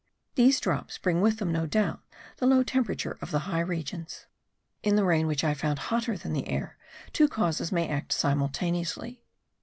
These drops bring with them, no doubt, the low temperature of the high regions. In the rain which I found hotter than the air, two causes may act simultaneously.